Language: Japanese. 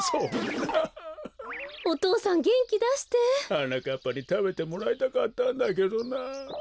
はなかっぱにたべてもらいたかったんだけどな。